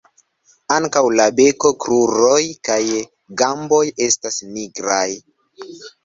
Ankaŭ la beko, kruroj kaj gamboj estas nigraj.